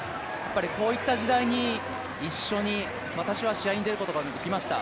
こういった時代に一緒に私は試合に出ることができました。